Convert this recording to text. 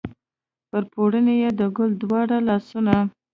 پر پوړني یې د ګل دواړه لاسونه